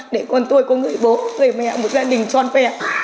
để con tôi có người bố người mẹ một gia đình toàn phẹp